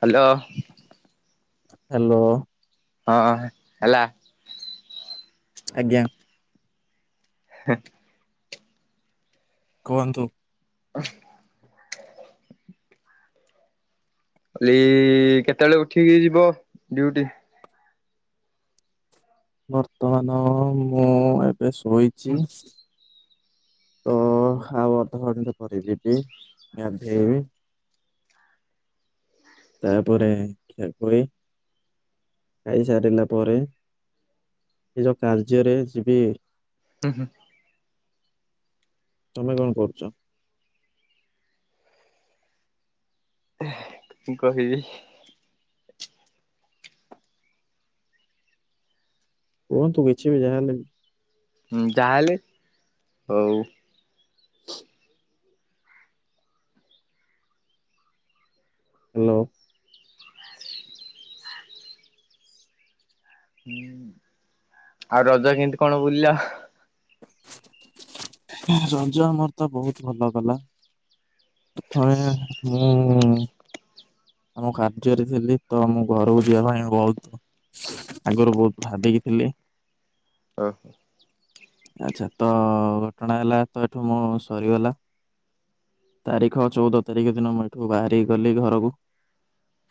Hello. Hello. ହଁ ହେଲା। ଆଜ୍ଞା। ହ କୁହନ୍ତୁ। ଅ କାଲି କେତେବେଳେ ଉଠିକି ଯିବ ଡଉଟି? ବର୍ତ୍ତମାନ ମୁଁ ବେଶୋଇଛି ତ ଆଉ ଅଧଘଣ୍ଟେ ପରି ଯିବି ଗାନ୍ଧେଇବି ତାପରେ କି କୋଇ ଖାଇ ହୁଁ ସାରିଲା ପରେ ନିଜ କାର୍ଯ୍ୟରେ ଯିବି। ହୁଁ ହୁଁ। ତମେ କଣ କରୁଛ। କହିବି। କୁହନ୍ତୁ କିଛି ବି ଯାଲେ ହୁଁ ଯାହାହେଲେ ହୋଉ ହାଲୋ। ହୁଁ ଆଉ ରଜ କେମିତି କଣ ବୁଲିଲ? ରଜ ଆମର ତ ବହୁତ ଭଲ ଗଲା। [unintelligible] ହୁଁ ହୁଁ। ଆମ କାର୍ଯ୍ୟରେ ଥିଲି ତ ମୁଁ ଘରକୁ ଯିବା ପାଇଁ ବୋହୁତ ଆଗରୁ ବହୁତ ଭାବିକି ଥିଲି। ଓହୋ। ଆଚ୍ଛା ତ ଘଟଣା ହେଲା ତ ଏଠୁ ମୁଁ ସରିଗଲା। ତାରିଖ ଚଉଦ ତାରିଖ ଦିନ ମୁଁ ଏଠୁ ବାହାରି ଗଲି ଘରକୁ।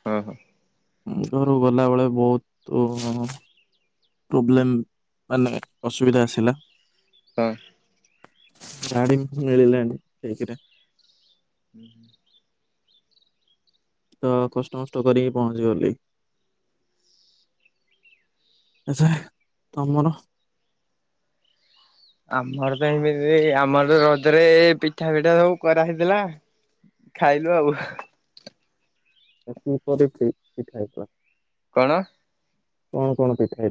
ହଁ ହଁ। ଘରୁ ଗଲାବେେଳେ ବହୁତ ପ୍ରୋବ୍ଲେମ ମାନେ ଅସୁବିଧା ଆସିଲା। ହଁ ଗାଡ଼ି ମିଳିଲାନି ଏକେ ରେ ହୁଁ ହୁଁ। କଷ୍ଟମଷ୍ଟ କରିକି ପହଞ୍ଚି ଗଲି ଆଚ୍ଛା ତମର ଆମର ତ ଏମିତି ଆମର ରଜରେ ପିଠା ପିଠା ସବୁ କରା ହେଇଥିଲା ଖାଇଲୁ ଆଉ ଏ [unintelligible] ପିଠା ହେଇଥିଲା। କଣ? କଣ କଣ ପିଠା ‌ହେ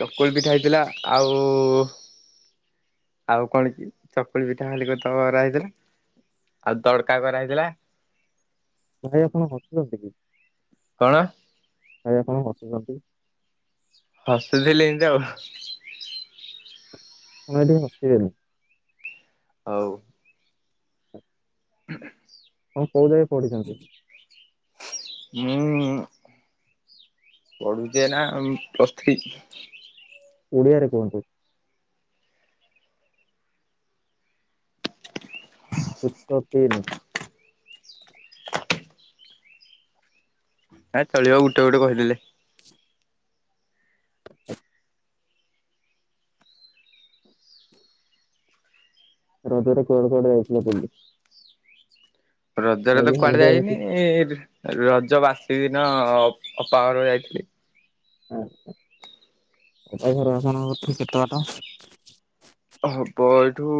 ଚକୁଲ ପିଠା ହେଇଥିଲା। ଆଉ ଆଉ କଣ କି ଚକୁଳି ପିଠା ଖାଲି କତ କରା ହେଇଥିଲା ଆଉ ତଡକା କରା ହେଇଥିଲା। ଭାଇ ଆପଣ ହସୁଚନ୍ତି କି? କଣ? ଆଜ୍ଞା କଣ ହସୁଚନ୍ତି? ହସିଥିଲେ ଏମତି ଆଉ ତମେ ଏଠି ହସିବେନି। ହୋଉ। [inaudible] ତମେ କୋଉ ଜାଗେ ପଢିଚନ୍ତି? ମୁଁ ପଡୁଚି ଏଇନା ଉଁ ପ୍ଲସଥ୍ରି। ଓଡ଼ିଆରେ କୁହନ୍ତୁ। ଯୁକ୍ତ ତିନି। ହେ ଚଳିବ ଗୋଟେ ଗୋଟେ କହିଦେଲେ। [inaudible] ରଜରେ କୁଆଡେ କୁଆଡେ ଯାଇଥିଲ ବୁଲି? ରଜରେ ତ କୁଆଡେ ଏମିତି ଏମିତି ଯାଇନି ଏ ରଜ ବାସି ଦିନ ଅପାଘର ଯାଇଥିଲି। ଅପା ଘର ଆପଣଙ୍କଠି କେତେ ବାଟ? ହବ ଏଇଠୁ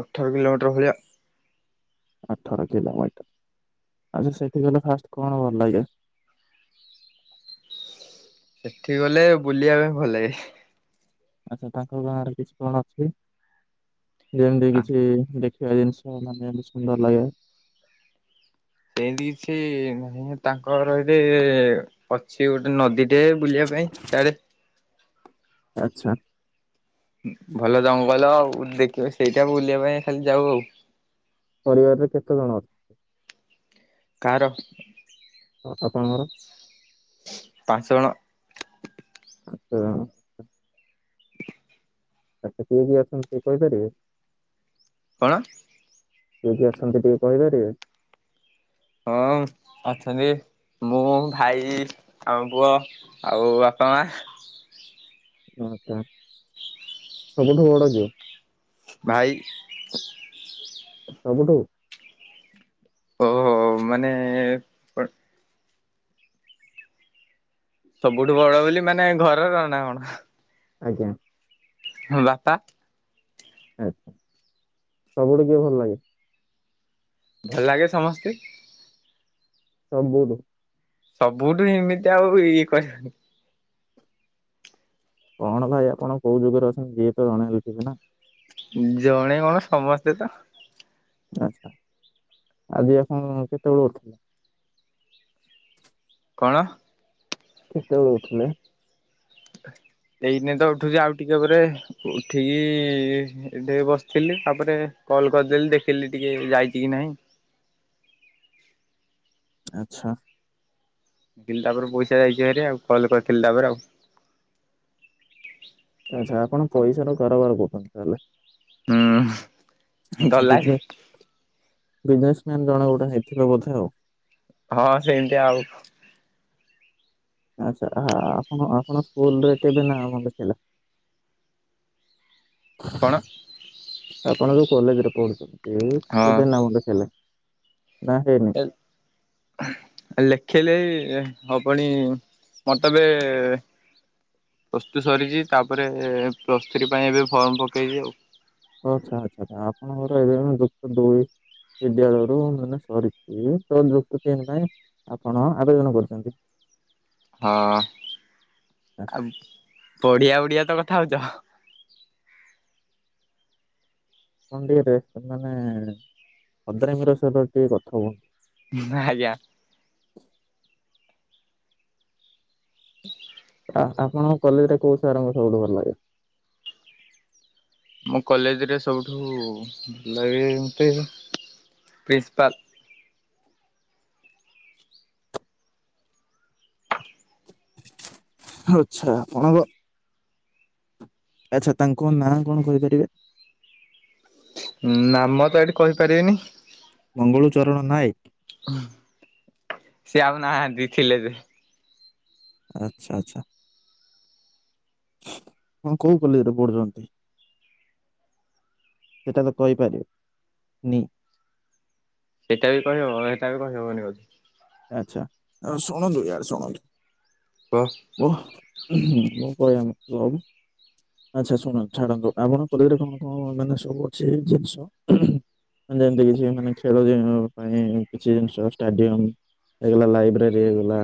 ଅଠର କିଲୋମିଟର ଭଳିଆ। ଅଠର କିଲୋମିଟର ଆଚ୍ଛା ସେଠକି ଗଲେ ଫାଷ୍ଟ କଣ ଭଲ ଲାଗେ? ସେଠି ଗଲେ ବୁଲିବା ପାଇଁ ଭଲ ଲାଗେ। ଆଚ୍ଛା ତାଙ୍କ ଗାଁ ରେ କିଛି କଣ ଅଛି? ଯେମତି କିଛି ଦେଖ ସେଆ ଜିନିଷ ମାନେ ସୁନ୍ଦର ଲାଗେ। ସେମ ସେ ନାଇ ତାଙ୍କର ଏଠ ଅଛି ଗୋଟେ ନଦୀଟେ। ବୁଲିବା ପାଇଁ ଡେ ଆଚ୍ଛା। ଭଲ ଜଙ୍ଗଲ ଆଉ ଦେଖିବ ସେଇଟା ବୁଲିବା ପାଇଁ ଖାଲି ଯାଉ ଆଉ। ପରିବାରରେ କେତେ ଜଣ ଅଛନ୍ତି? କାହାର? ଆପଣଙ୍କର। ପାଞ୍ଚ ଜଣ। ପାଞ୍ଚ ଜଣ। ଆଛା କିଏ କିିଏ ଅଛନ୍ତି ତ କହିପାରିବେ? କଣ? କିଏ କିଏ ଅଛନ୍ତି ଟିକେ କହିପାରିବେ? ହଁ ଅଛନ୍ତି ମୁଁ, ଭାଇ, ଆଉ ପୁଅ, ଆଉ ବାପା ମା। ଆଛା ସବୁଠୁ ବଡ କିଏ? ଭାଇ। ସବୁଠୁ। ଓହୋ ମାନେ ସବୁଠୁ ବଡ ବୋଲି ମାନେ ଘର ର ନା କଣ? ଆଜ୍ଞା। ତମ ବାପା? ଆଛା ସବୁଠି କିଏ ଭଲ ଲାଗେ? ଭଲ ଲାଗେ ସମସ୍ତେ। ସବୁଠୁ ସବୁଠୁ ଏମିତି ଆଉ ଇଏ କରିବନି। କଣ ଭାଇ ଆପଣ କୋଉ ଯୁଗରେ ଅଛ। ଯିଏ ତ ଜଣେଇ ଜଣେ ହେଲେ ଥିବେନା। ଜଣେ କଣ ସମସ୍ତେ ତ। ଆଛା ଆଜି ଏ କେତେବେଳ ଉଠ କଣ? କେତେ ବଳେ ଉଠିଲେ? ଏଇିନାଇ ତ ଉଠୁଛି ଆଉ ଟିକେ ପରେ ଉଠିକି ଏଠ ବସିଥିଲି ତାପରେ କଲ କରିଦେଲି ଦେଖିଲି ଟିକେ ଯାଇଛି କି ନାହିଁ। ଆଚ୍ଛା। ତାପରେ ପଇସା ଯାଇଛିରେ ଆଉ କଲ କରିଥିଲି ତାପରେ ଆଉ। ଆଚ୍ଛା ଆପଣ ପଇସାର କାରବାର କରୁଛନ୍ତି ତାହେଲେ। ହୁଁ ଦର ଲ [inaudible] ବିଜନେସମ୍ୟାନ୍ ଜଣେ ଗୋଟେ ହେଇଥିବାେ ବୋଧେ ଆଉ। ହଁ ସେମିତି ଆଉ। ଆପଣ ଆପଣ ସ୍କୁଲ ରେ କେବେ ନା ମ ଥିଲା। କଣ? ଆପଣ ଯୋଉ କଲେଜ ରେ ପଢୁଛନ୍ତି। ସେ କେବେ ନା ମୁଣ୍ଡ ଖଲେ। ଲଖଲେ। ଏ ହବ ପଣି ମତେ ଏବେ ପ୍ରସ୍ତୁତ ସରିଛି ତାପରେ ପ୍ଲସ୍ ଥ୍ରୀ ପାଇଁ ଏବେ ଫର୍ମ ପକେଇଛି ଆଉ। ଆଚ୍ଛା ଆଚ୍ଛା ଆପଣଙ୍କର ଏବେ‌ ଏବେ ଯୁକ୍ତ ଦୁଇ ବିଦ୍ୟାଳୟରୁ ମାନେ ସରିଛି ତ ଯୁକ୍ତ ତିନି ପାଇଁ ଆପଣ ଆବେଦନ କରିଛନ୍ତି। ହଁ ଆଉ ବଢିଆ ବଢିଆ ତ କ ଥାଉ ଯାଅ। ମନ୍ଦିରରେ ମାନେ ଭଦ୍ରାମୀର ସହିତ ଟିକେ କଥା ହୁହନ୍ତୁ। ନା ଆଜ୍ଞା। [unintelligible] ହ [unintelligible] ଆ- ଆପଣଙ୍କ କଲେଜରେ କୋଉ ସାରଙ୍କୁ ସବୁଠୁ ଭଲ ଲାଗେ? ମୋ କଲେଜରେ ସବୁଠୁ ଭଲଲାଗେ ପ୍ରିନ୍ସିପାଲ। ଆଛା ଆପଣଙ୍କ ଆଛା ତାଙ୍କ ନାଁ କଣ କହିପାରିବେ? ନାମ ତ ଏଇଠି କହିପାରିବିନି। ମଙ୍ଗଳ ଚରଣ ନାୟକ? ସେ ଆଉ ନାହାନ୍ତି ଥିଲେ ଯେ। ଆଛା ଆଛା, ହଁ କୋଉ କଲେରେ ପଢୁଛନ୍ତି, ସେଟା ତ କହିପାରିବେ, ନି? ସେଇଟା ବି କହିହବ ସେଇଟା ବି କହିହବନି କହୁଛି। ଆଚ୍ଛା ଶୁଣନ୍ତୁ ୟାର୍‌ ଶୁଣନ୍ତୁ। କୁହ। ମୁଁ ହୁଁ ମୁଁ କହେନି। [inaudible] ଆଚ୍ଛା ଶୁଣ ଛାଡ଼ନ୍ତୁ ଆପଣଙ୍କ [unintelligible] କଣ କଣ ମାନେ ସବୁ ଅଛି ଜିନିଷ ଯେମିତି କିଛି ମାନେ ଖେଳିବା ପାଇଁ କିଛି ଜିନିଷ ଷ୍ଟାଡିୟମ। ଏଇଗଲା ଲାଇବ୍ରେରୀ ହେଇଗଲା।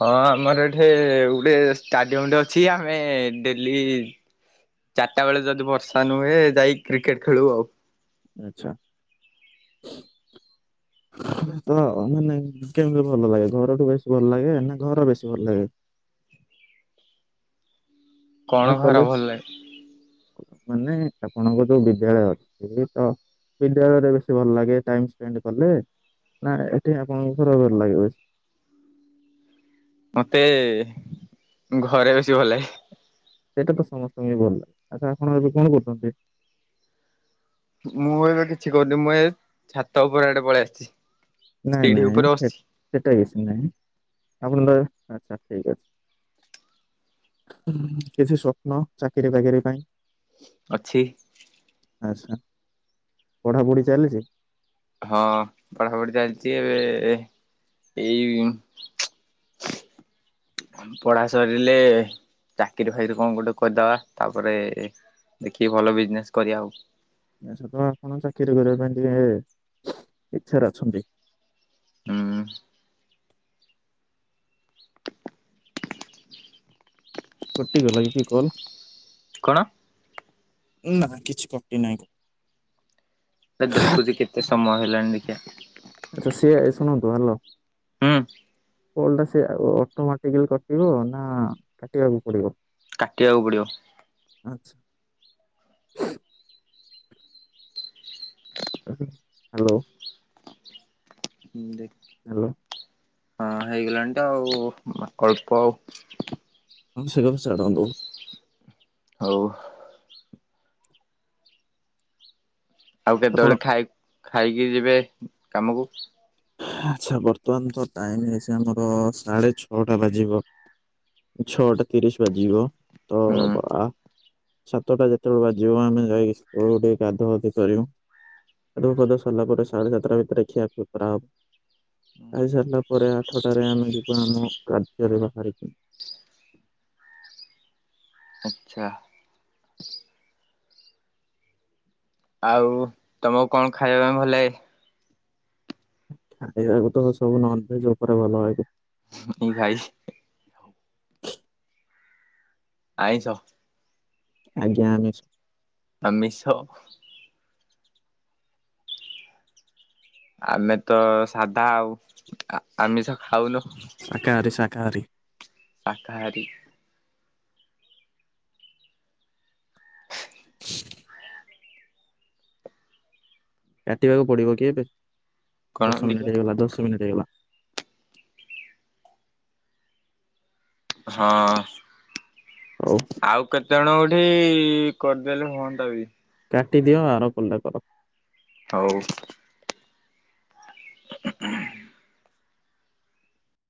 ହଁ ଆମର ଏଠି ଗୋଟେ ଷ୍ଟାଡିୟମଟେ ଅଛି ଆମେ ଡେଲି ଚାରିଟା ବେଳେ ଯଦି ବର୍ଷା ନୁହେ ଯାଇ କ୍ରିକେଟ ଖେଳୁ ଆଉ। ଆଛା, [inaudible] ମାନେ କେମିତି ଭଲ ଲାଗେ ଘରଠୁ ବେଶୀ ଭଲ ଲାଗେ ନା ଘର ବେଶୀ ଭଲ ଲାଗେ? ମାନେ କଣ ଘର କଲେଜ ଭଲ ଲାଗେ। ମାନେ ଆପଣଙ୍କ ଯୋଉ ବିଦ୍ୟାଳୟ ଅଛି ତ ବିଦ୍ୟାଳୟରେ ବେଶୀ ଭଲ ଲାଗେ ଟାଇମ୍ ସ୍ପେଣ୍ଡ୍ କଲେ ନା ଏଠି ଆପଣଙ୍କର ଭଲ ଲାଗେ ବେଶ୍। ମତେ ଘରେ ବେଶି ଭଲ ଲାଗେ ହେ। ସେଇଟା ତ ସମସ୍ତଙ୍କୁ ହିଁ ଭଲ ଲାଗେ, ଆଚ୍ଛା ଆପଣ ଏବେ କଣ କରୁଛନ୍ତି? ମୁଁ ଏବେ କିଛି କରୁନି ମୁଁ ଏ ଛାତ ଉପରେ ଆଡେ ପଳେଇଆସିଛି। ନାଇଁ ନାଇଁ ସେଟା କିଛି ନାଇଁ ଆପଣ [inaudible] ଆଚ୍ଛା ଠିକ୍ ଅଛି, କିଛି ସ୍ୱପ୍ନ ଚାକିରିୀବାକିରି ପାଇଁ? ଅଛି। ଆଛା, ପଢାପଢି ଚାଲିଛି? ହଁ ପଢାପଢି ଚାଲିଛି ଏବେ, ଏଇ ଚୁ ପଢା ସରିଲେ ଚାକିରିଫାକିରି କଣ ଗୋଟେ କରିଦବା ତାପରେ ଦେଖିକି ଭଲ ବିଜନେସ୍ କରିବା ଆଉ। ଆଛା ତ ଆପଣ ଚାକିରି କରିବା ପାଇଁ ଟିକେ ଇଛାରେ ଅଛନ୍ତି? ଉଁ କଟି ଗଲା କି କି କଲ? କଣ? ନା କିଛି କଟି ନାହିଁ। ଏ ଦେଖୁଛି କେତେ ସମୟ ହେଲାଣି ଦେଖିବା, ଆଚ୍ଛା ସିଏ ହୁଁ। କଲଟା ସେ ଅଟୋମେଟିକାଲି କଟିବ ନା କାଟିବାକୁ ପଡିବ? କାଟିବାକୁ ପଡିବ। ଆଚ୍ଛା। [unintelligible] ହ୍ୟାଲୋ। ହୁଁ ଦେଖି ହାଲୋ [inaudible] ହଁ ହେଇଗଲାଣି ତ ଆଉ, ଅଳ୍ପ ଆଉ। ଆମ ସେ କ ବି ସେଡ଼ ଦ ହଉ। ଆଉ ଆପଣ କେତେବେଳେ ଖାଇ ଖାଇକି ଯିବେ କାମକୁ? ଆଚ୍ଛା ବର୍ତ୍ତମାନ ତ ଟାଇମ ହେଇଛି ଆମର ସାଢେ ଛଅଟା ବାଜିବ ଛଅଟା ତିରିଶ ବାଜିବ ତ ହୁଁ ବା ସାତଟା ଯେତେବେଳେ ବାଜିବ ଆମେ ଯାଇକି ସେତେବେଲୁ ଟିକେ ଗାଧୁଆ ଗୁଧି କରିବୁ ଗାଧୁ ଫଧ ସରିଲା ପରେ ସାଢେ ସାତଟା ଭିତରେ ଖିଆ ଖ୍ରପ ହୁଁ। ଆଠଟାରେ ଆମେ ଯିବା ଆମ କାର୍ଯ୍ୟରେ ବାହାରିକି ଆଚ୍ଛ। ଆଉ ତମକୁ କଣ ଖାଇବା ପାଇଁ ଭଲ ଲାଗେ? ଖାଇବାକୁ ତ ସବୁ ନନ ଭେଜ ଉପରେ ଭଲ ଲାଗେ? ଏଇ ଭାଇ [inaudible] ଆଇଛ ଆଜ୍ଞା ଆମେ ଆମିଷ ଆମେ ତ ସାଧା ଆଉ ଆମେ ତ ଖାଉନୁ। ଶାକାହାରୀ ଶାକାହାରୀ ଶାକାହାରୀ [inaudible] କାଟିବାକୁ ପଡିବ କି ଏବେ? କଣ ଦଶ ଦେଖିବା ମିନିଟ୍ ହେଇଗଲା ଦଶ ମିନିଟ୍ ହେଇଗଲା ହଁ। ହଉ ଆଉ କେତେ ଜଣ? ଏଠି କରିଦେଲେ ହୁଅନ୍ତା ବି କାଟି ଦିଅ ଆର କଲଟା କର ହୋଉ [inaudible]